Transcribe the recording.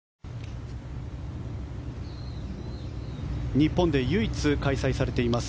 日本で唯一開催されています